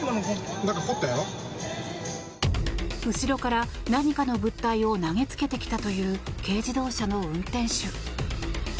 後ろから何かの物体を投げつけてきたという軽自動車の運転手。